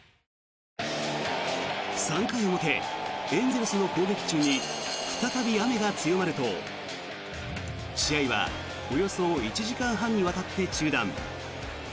３回表、エンゼルスの攻撃中に再び雨が強まると試合はおよそ１時間半にわたって中断。